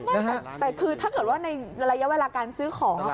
แต่คือถ้าเกิดว่าในระยะเวลาการซื้อของ